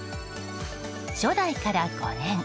初代から５年。